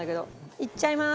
いっちゃいます。